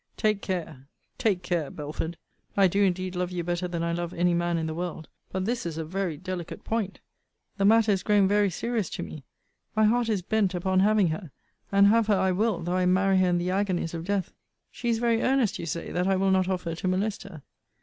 Take care take care, Belford I do indeed love you better than I love any man in the world: but this is a very delicate point. The matter is grown very serious to me. My heart is bent upon having her. And have her I will, though I marry her in the agonies of death. She is very earnest, you say, that I will not offer to molest her.